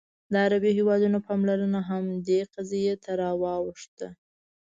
د عربي هېوادونو پاملرنه هم دې قضیې ته واوښته.